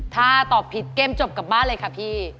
ถ้าตอบผิดเกมจบกลับบ้านเลยค่ะพี่